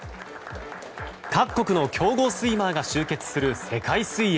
各国の強豪スイマーが集結する世界水泳。